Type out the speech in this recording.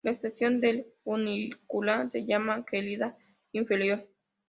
La estación del funicular se llama Gelida-Inferior.